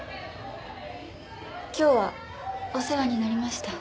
今日はお世話になりました。